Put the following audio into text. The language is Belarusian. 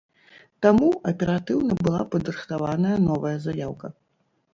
Таму аператыўна была падрыхтаваная новая заяўка.